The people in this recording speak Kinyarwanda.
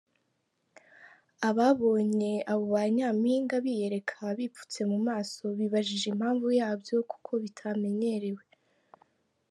Ababonye abo ba Nyampinga biyereka bipfuse mu maso bibajije impamvu yabyo kuko bitamenyerewe.